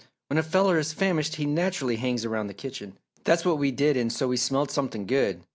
When a feller is famished he naturally hangs around the kitchen. That's what we did and so we smelled something good.